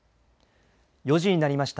４時になりました。